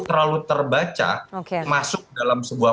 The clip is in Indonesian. terlalu terbaca masuk dalam sebuah